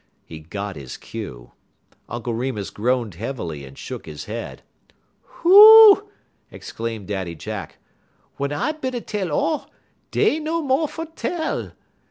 He got his cue. Uncle Remus groaned heavily and shook his head. "Hoo!" exclaimed Daddy Jack, "wun I is bin a tell all, dey no mo' fer tell.